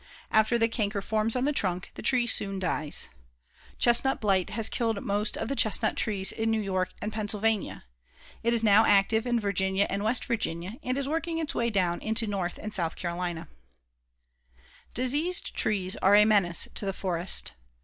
After the canker forms on the trunk, the tree soon dies. Chestnut blight has killed most of the chestnut trees in New York and Pennsylvania. It is now active in Virginia and West Virginia and is working its way down into North and South Carolina. [Illustration: SECTION OF A VIRGIN FOREST] Diseased trees are a menace to the forest.